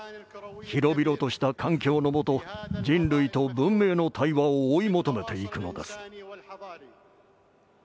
広々とした環境のもと人類と文明の対話を追い求めていくのです。